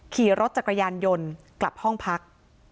ขี่รถจักรยานยนต์กลับห้องพัก